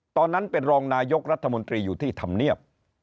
ตอนนั้นเป็นรองนายกรัฐมนตรีอยู่ที่ธรรมเนียบ